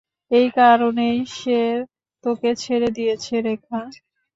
এই কারনেই সে তোকে ছেড়ে দিয়েছে, রেখা।